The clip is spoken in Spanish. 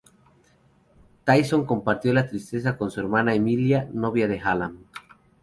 Tennyson compartió la tristeza con su hermana Emilia, novia de Hallam.